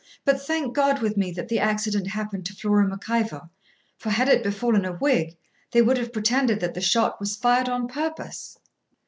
but thank God with me that the accident happened to Flora Mac Ivor; for had it befallen a Whig, they would have pretended that the shot was fired on purpose.'